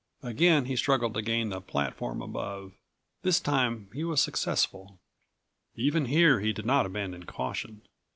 Again he struggled to gain the platform above. This time he was successful. Even here he did not abandon caution.